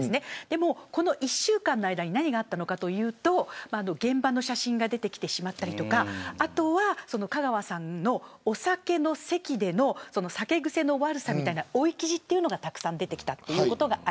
でも、この１週間の間に何があったのかというと現場の写真が出てきてしまったりあとは、香川さんのお酒の席での酒癖の悪さみたいな追い記事がたくさん出てきたんです。